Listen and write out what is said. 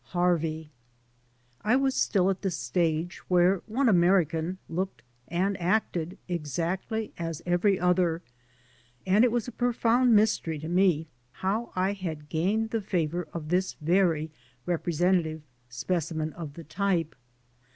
HABVEY I WAS still at the stage where one American looked and acted exactly as every other, and it was a pro found mystery to me how I had gained the favor of this very representative specimen of the type.